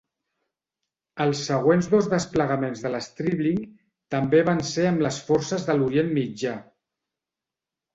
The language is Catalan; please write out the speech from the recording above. Els següents dos desplegaments de l'Stribling també van ser amb les Forces de l'Orient Mitjà.